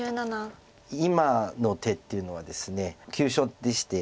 今の手っていうのはですね急所でして。